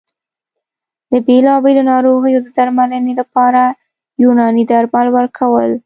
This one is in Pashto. د بېلابېلو ناروغیو د درملنې لپاره یوناني درمل ورکول